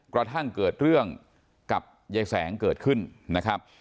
กระทั่งเกิดเรื่องกับยายแสงเกิดขึ้นนะครับ